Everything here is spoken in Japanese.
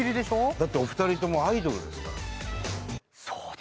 だってお二人ともアイドルですから。